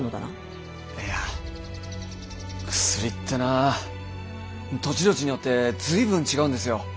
いや薬ってなぁ土地土地によって随分違うんですよ。